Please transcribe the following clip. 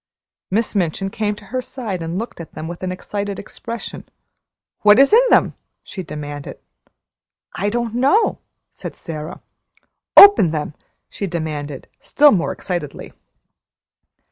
Miss Minchin came to her side and looked at them with an excited expression. "What is in them?" she demanded. "I don't know," said Sara. "Open them!" she demanded, still more excitedly.